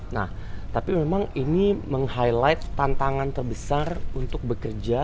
nah tapi memang ini meng highlight tantangan terbesar untuk bekerja